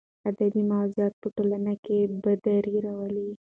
ادبي موضوعات په ټولنه کې بېداري راولي.